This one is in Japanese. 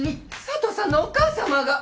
佐都さんのお母さまが！